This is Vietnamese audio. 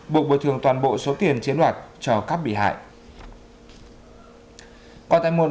buộc bồi thường toàn bộ số tiền chiếm đoạt cho các bị hại